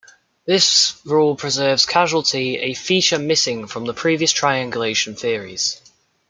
This rule preserves causality, a feature missing from previous "triangulation" theories.